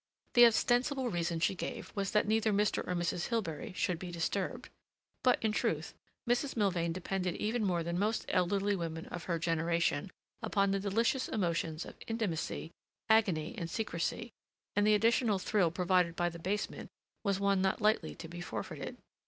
The ostensible reason she gave was that neither Mr. nor Mrs. Hilbery should be disturbed. But, in truth, Mrs. Milvain depended even more than most elderly women of her generation upon the delicious emotions of intimacy, agony, and secrecy, and the additional thrill provided by the basement was one not lightly to be forfeited.